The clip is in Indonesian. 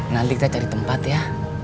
nanti kita cari tempat ya